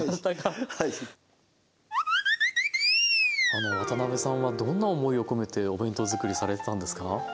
あの渡辺さんはどんな思いを込めてお弁当作りされてたんですか？